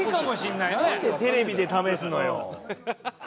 なんでテレビで試すのよ。